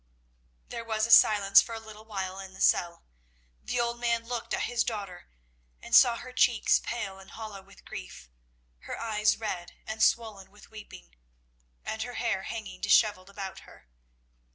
There was a silence for a little while in the cell. The old man looked at his daughter and saw her cheeks pale and hollow with grief, her eyes red and swollen with weeping, and her hair hanging dishevelled about her.